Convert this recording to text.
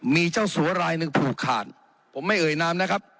มีเจ้าสัวรายหนึ่งผูกขาดผมไม่เอ่ยนามนะครับ